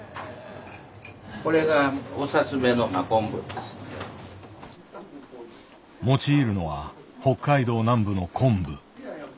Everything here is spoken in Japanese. これが用いるのは北海道南部の昆布。